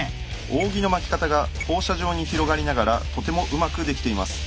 扇の巻き方が放射状に広がりながらとてもうまくできています。